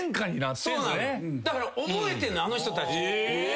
だから覚えてんのあの人たち。